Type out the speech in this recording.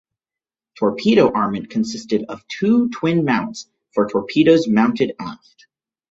Torpedo armament consisted of two twin mounts for torpedoes mounted aft.